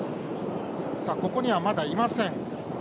ここには、まだ、いません。